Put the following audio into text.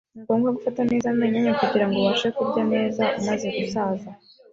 Ni ngombwa gufata neza amenyo yawe kugirango ubashe kurya neza umaze gusaza.